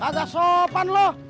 tak ada sopan lo